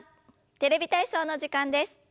「テレビ体操」の時間です。